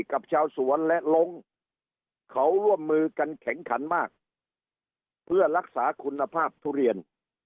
กับชาวสวนและลงเขาร่วมมือกันแข็งขันมากเพื่อรักษาคุณภาพทุเรียน